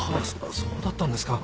そうだったんですか。